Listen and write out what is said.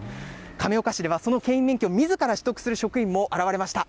亀岡市では、そのけん引免許をみずから取得する職員も現れました。